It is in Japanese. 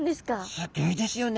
すっギョいですよね。